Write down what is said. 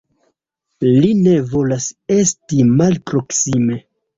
Li ne povas esti malproksime!